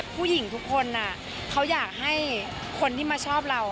ผู้หญิงทุกคนเขาอยากให้คนที่มาชอบเรา